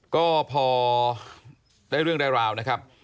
ก็พอได้เรื่องได้ราวนะครับ